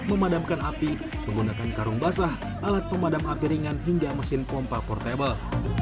memadamkan api menggunakan karung basah alat pemadam api ringan hingga mesin pompa portable